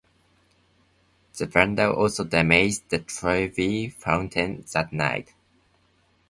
The vandal also damaged the "Trevi Fountain" that night.